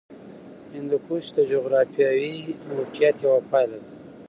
هندوکش د جغرافیایي موقیعت یوه پایله ده.